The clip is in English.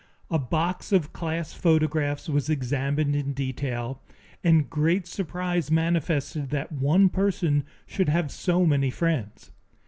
A box of class photographs was examined in detail, and great surprise manifested that one person should have so many friends.